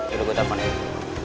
yaudah gue telfon aja